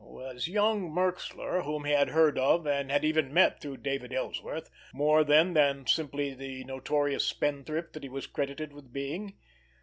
Was young Merxler, whom he had heard of and had even met through David Ellsworth, more then than simply the notorious spendthrift that he was credited with being?